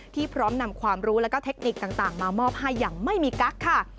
พร้อมนำความรู้แล้วก็เทคนิคต่างมามอบให้อย่างไม่มีกั๊กค่ะ